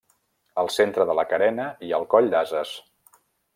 Al centre de la carena hi ha el Coll d'Ases.